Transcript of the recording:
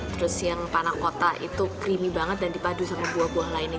terus yang panah kota itu creamy banget dan dipadu sama buah buah lainnya